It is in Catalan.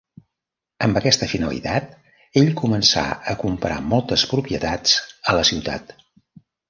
Amb aquesta finalitat, ell començà a comprar moltes propietats a la ciutat.